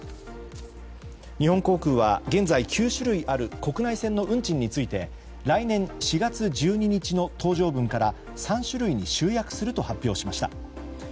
日本航空は現在９種類ある国内線の運賃について来年４月１２日の搭乗分から３種類に集約すると発表しました。